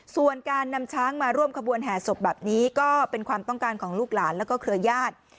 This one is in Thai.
ส่วนการนำช้างมาร่วมขบวนแห่ศพแบบนี้ก็เป็นความต้องการของลูกหลานแล้วก็เครือญาติ